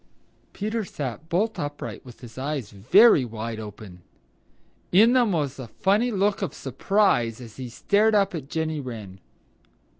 Peter sat bolt upright with his eyes very wide open. In them was a funny look of surprise as he stared up at Jenny Wren.